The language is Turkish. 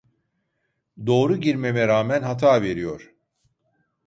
Doğru girmeme rağmen hata veriyor